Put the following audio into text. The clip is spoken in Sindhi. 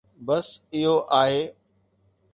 بس اهو آهي